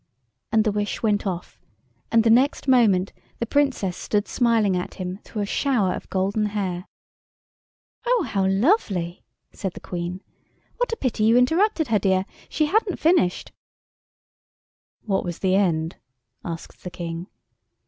And the wish went off, and the next moment the Princess stood smiling at him through a shower of golden hair. "Oh, how lovely," said the Queen. "What a pity you interrupted her, dear; she hadn't finished." "What was the end?" asked the King.